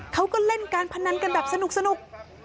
เขาก็เล่นการพนันกันแบบสนุก